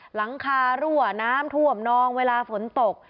หลังคารั่วน้ำท่วมนองเวลาฝนตก